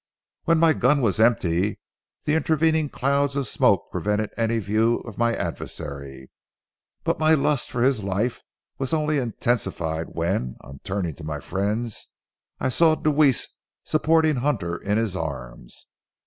When my gun was empty, the intervening clouds of smoke prevented any view of my adversary; but my lust for his life was only intensified when, on turning to my friends, I saw Deweese supporting Hunter in his arms.